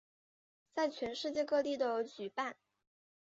在全世界各地都有举办。